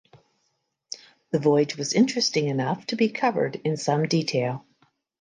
The voyage was interesting enough to be covered in some detail.